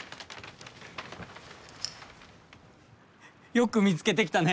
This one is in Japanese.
よく見つけてきたね！